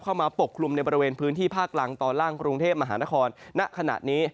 ปกคลุมในบริเวณพื้นที่ภาคกลางตอนล่างกรุงเทพมหานครณขณะนี้